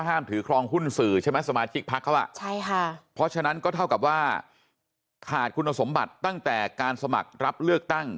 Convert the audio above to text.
หรือว่าขาดคุณสมบัติตั้งแต่การสมัครรับเลือกตั้ง